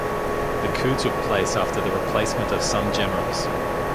The coup took place after the replacement of some generals.